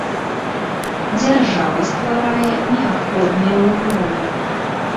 Дзяржава стварае неабходныя ўмовы.